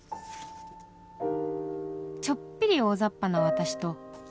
「ちょっぴり大雑把な私と」